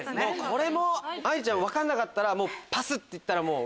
これも愛梨ちゃん分かんなかったらパスって言ったらもう。